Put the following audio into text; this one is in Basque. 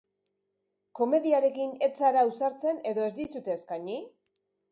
Komediarekin ez zara ausartzen edo ez dizute eskaini?